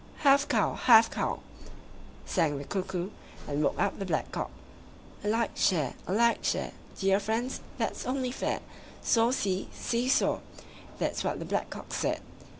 Half cow! Half cow! sang the Cuckoo, and woke up the Black cock. A like share, a like share; Dear friends, that's only fair! Saw see! See saw! That's what the Black cock said.